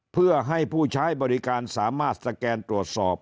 เพื่อให้ผู้ใช้บริการสามารถสแกนตรวจสอบ